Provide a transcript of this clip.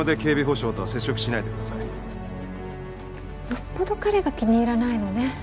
よっぽど彼が気に入らないのね。